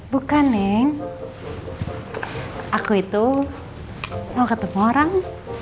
bukan nih aku itu mau ketemu orang